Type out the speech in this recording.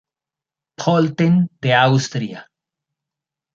Pölten de Austria.